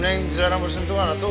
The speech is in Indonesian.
neng tidak ada bersentuhan tuh